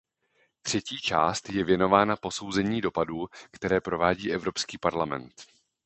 Třetí část je věnována posouzení dopadů, které provádí Evropský parlament.